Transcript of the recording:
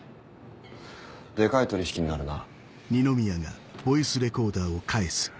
デカい取引になるな。